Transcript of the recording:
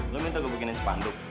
lu minta gue bikinin sepanduk